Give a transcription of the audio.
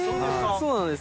そうなんです。